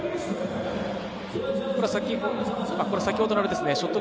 先ほどのショット